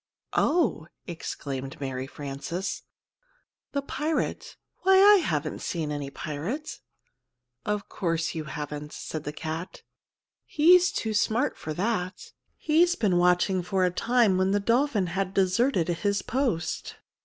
"Oh," exclaimed Mary Frances, "the pirate why, I haven't seen any pirate!" "Of course you haven't," said the cat; "he's too smart for that. He's been watching for a time when the dolphin had deserted his post."